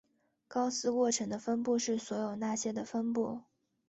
高斯过程的分布是所有那些的分布。